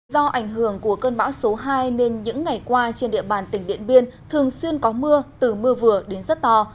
do ảnh hưởng của cơn bão số hai nên những ngày qua trên địa bàn tỉnh điện biên thường xuyên có mưa từ mưa vừa đến rất to